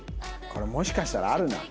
これもしかしたらあるな。